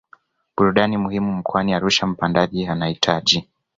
burudani muhimu mkoani Arusha Mpandaji anahitaji